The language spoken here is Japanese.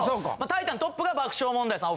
タイタントップが爆笑問題さん